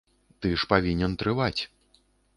Ты ж павінен трываць.